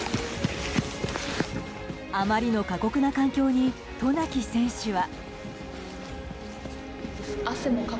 あまりに過酷な環境に渡名喜選手は。